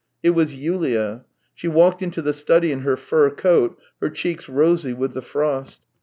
It was Yulia. She walked into the study in her fur coat, her cheeks rosy with the frost.